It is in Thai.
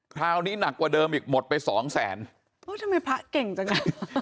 คราวนี้หนักกว่าเดิมอีกหมดไปสองแสนโอ้ทำไมพระเก่งจังอ่ะ